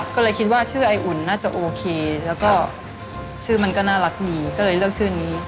ก็เลยคิดว่าชื่อไออุ่นน่าจะโอเคแล้วก็ชื่อมันก็น่ารักดีก็เลยเลือกชื่อนี้